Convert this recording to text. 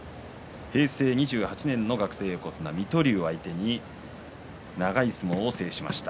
平成２８年の学生横綱水戸龍を相手に長い相撲を制しました。